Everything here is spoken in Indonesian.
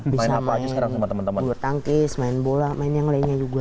bisa main bulu tangkis main bola main yang lainnya juga